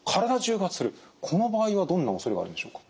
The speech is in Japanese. この場合はどんなおそれがあるんでしょうか？